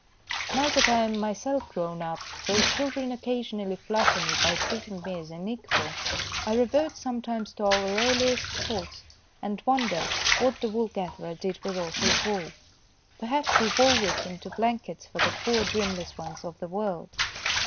Now that I am myself grown up, though children occasionally flatter me by treating me as an equal, I revert sometimes to our earliest thoughts and wonder what the wool gatherer did with all his wool. Perhaps he wove it into blankets for the poor dreamless ones of the world.